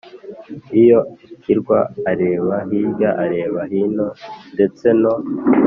iyo akwirwa areba hirya areba hino ndetse no